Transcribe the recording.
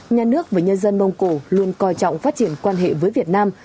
nhà nước và nhân dân mông cổ luôn coi trọng phát triển quan hệ với việt nam